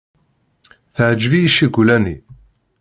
Teɛjeb-iyi ccikula-nni.